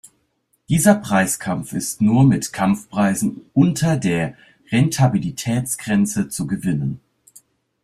Dieser Preiskampf ist nur mit Kampfpreisen unter der Rentabilitätsgrenze zu gewinnen.